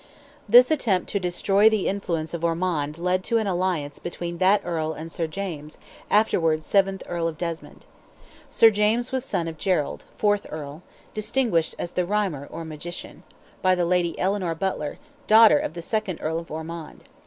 This attempt to destroy the influence of Ormond led to an alliance between that Earl and Sir James, afterwards seventh Earl of Desmond. Sir James was son of Gerald, fourth Earl (distinguished as "the Rhymer," or Magician), by the lady Eleanor Butler, daughter of the second Earl of Ormond.